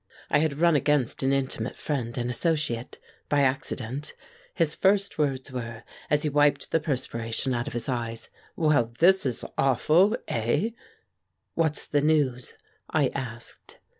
I had run against an intimate friend and associate, by accident. His first words were, as he wiped the perspiration out of his eyes, "Well, this is awful, eh?" "What's the news?" I asked.